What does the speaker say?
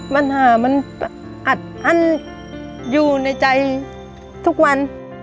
ปัญหามันอัดอั้นอยู่ในใจทุกวัน